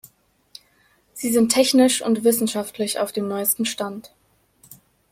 Sie sind technisch und wissenschaftlich auf dem neuesten Stand.